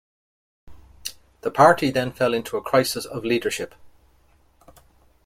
The party then fell into a crisis of leadership.